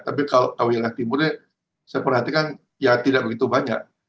tapi kalau wilayah timur ini saya perhatikan ya tidak begitu banyak